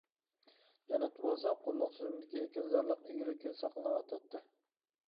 جەنۇبتا بولسا، قۇللۇق تۈزۈمدىكى ئېكىنزارلىق ئىگىلىكى ساقلىنىۋاتاتتى.